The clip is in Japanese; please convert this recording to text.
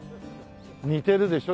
似てるでしょ？